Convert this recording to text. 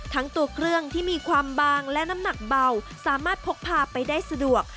ทั้งตัวเครื่องที่มีความบางและน้ำหนักเบาสามารถพกพาไปได้สะดวก